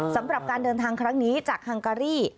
สำหรับการเดินทางครั้งนี้จากฮังการี